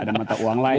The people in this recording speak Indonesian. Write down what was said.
ada mata uang lain